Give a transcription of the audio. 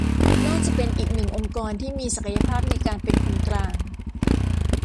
น่าจะเป็นอีกหนึ่งองค์กรที่มีศักยภาพในการเป็นคนกลาง